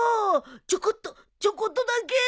ちょこっとちょこっとだけ。